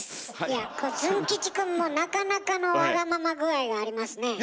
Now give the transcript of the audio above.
いやズン吉くんもなかなかのワガママ具合がありますねえ。